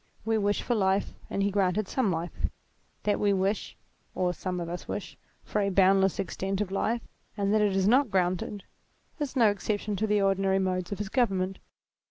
"We wish for life, and he has granted some life : that we wish (or some of us wish) for a boundless extent of life and that it is not granted, is no exception to the ordinary 210 THEISM modes of his government.